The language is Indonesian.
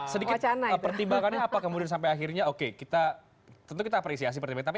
sedikit pertimbangannya apa kemudian sampai akhirnya oke kita tentu kita apresiasi pertimbangan